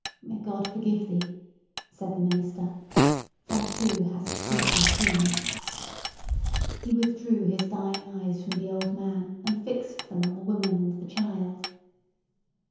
"May God forgive thee!" said the minister. "Thou, too, hast deeply sinned!" He withdrew his dying eyes from the old man, and fixed them on the woman and the child.